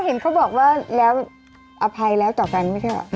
เห็นเขาบอกว่าแล้วอภัยแล้วต่อกันไม่ใช่เหรอ